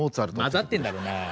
混ざってんだろなあ。